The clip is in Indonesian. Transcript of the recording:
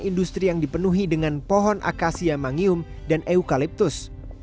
industri yang dipenuhi dengan pohon akasia mangyum dan eukaliptus